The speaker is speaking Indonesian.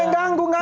sekarang gini deh